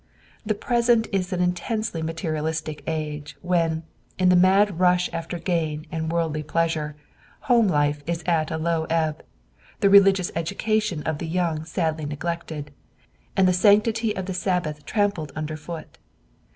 The present is an intensely materialistic age, when, in the mad rush after gain and worldly pleasure, home life is at a low ebb, the religious education of the young sadly neglected, and the sanctity of the Sabbath trampled under foot.